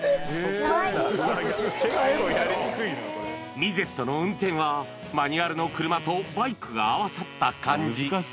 ミゼットの運転は、マニュアルの車とバイクが合わさった感じ。